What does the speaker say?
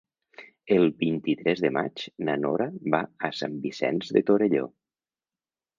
El vint-i-tres de maig na Nora va a Sant Vicenç de Torelló.